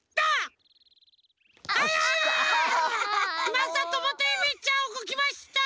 まさともとゆめちゃんうごきました！